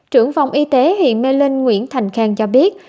trưởng phòng y tế huyện mê linh nguyễn thành khang cho biết